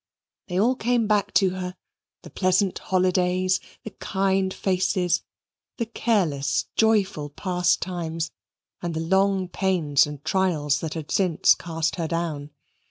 They all came back to her, the pleasant holidays, the kind faces, the careless, joyful past times, and the long pains and trials that had since cast her down.